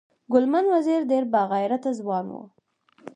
ګلمن وزیر ډیر با غیرته ځوان و